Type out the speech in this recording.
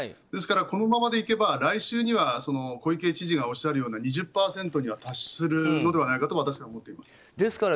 ですから、このままでいけば来週には小池知事がおっしゃるような２０％に達するのではないかと私は思っています。